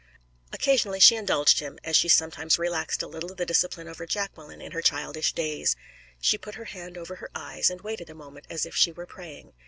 Occasionally she indulged him, as she sometimes relaxed a little the discipline over Jacqueline in her childish days. She put her hand over her eyes and waited a moment as if she were praying.